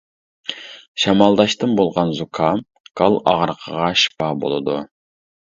شامالداشتىن بولغان زۇكام، گال ئاغرىقىغا شىپا بولىدۇ.